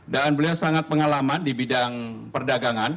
dan beliau sangat pengalaman di bidang perdagangan